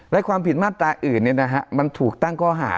และความผิดมาตราอื่นเนี่ยนะฮะมันถูกตั้งก้อหา